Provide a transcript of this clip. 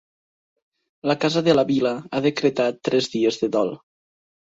La casa de la vila ha decretat tres dies de dol.